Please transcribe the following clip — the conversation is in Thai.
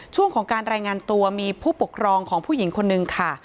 ช่วงของการรายงานตัวมีผู้ปกครองของผู้หญิงคนนึงค่ะ